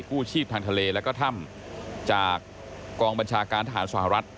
กู้ชีพทางทะเลและก็ถ้ำจากกองบัญชาการทหารสหรัฐ